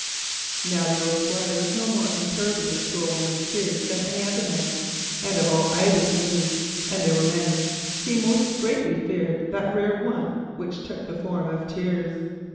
Now the old Squire was no more impervious to a woman's tears than any other man, and of all Ida's moods, and they were many, he most greatly feared that rare one which took the form of tears.